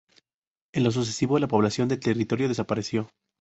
En lo sucesivo, la población del territorio desapareció.